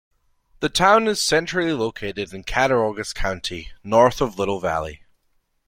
The town is centrally located in Cattaraugus County, north of Little Valley.